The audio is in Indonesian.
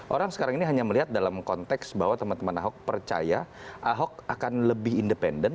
orang sekarang ini hanya melihat dalam konteks bahwa teman teman ahok percaya ahok akan lebih independen